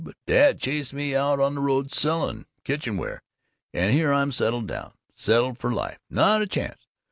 But Dad chased me out on the road selling kitchenware, and here I'm settled down settled for life not a chance!